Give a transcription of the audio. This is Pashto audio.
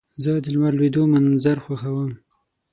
زه د لمر لوېدو منظر خوښوم.